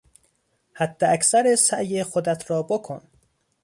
حداکثر سعی خودت را بکن!